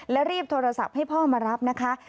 และรีบโทรศัพท์ให้พ่อมารับนะคะ